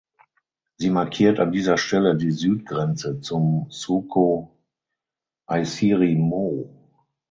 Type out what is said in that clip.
Sie markiert an dieser Stelle die Südgrenze zum Suco Aissirimou.